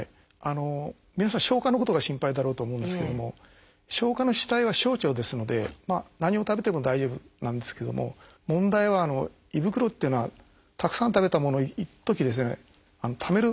皆さん消化のことが心配だろうと思うんですけども消化の主体は小腸ですので何を食べても大丈夫なんですけども問題は胃袋っていうのはたくさん食べたものをいっときためる